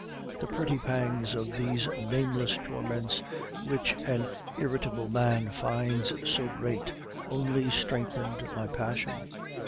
The petty pangs of these nameless torments, which an irritable man finds so great, only strengthened my passion.